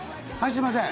すいません。